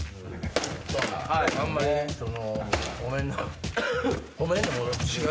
あんまりごめんな。